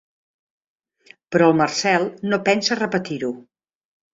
Però el Marcel no pensa repetir-ho.